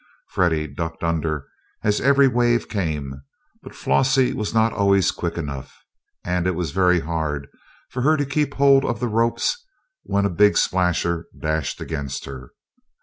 Freddie ducked under as every wave came, but Flossie was not always quick enough, and it was very hard for her to keep hold of the ropes when a big splasher dashed against her.